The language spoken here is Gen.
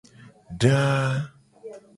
Daa.